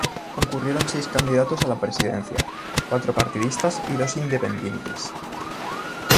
Concurrieron seis candidatos a la presidencia, cuatro partidistas y dos independientes.